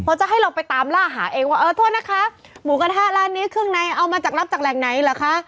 เพราะจะให้เราไปตามล่าหาเองว่าเออโทษนะคะหมูกระทะร้านนี้เครื่องในเอามาจากรับจากแหล่งไหนเหรอคะ